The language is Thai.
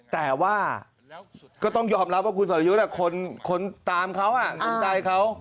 แต่ว่าก็ต้องยอมรับว่าคุณสรยุทธ์คนตามเขาสนใจเขา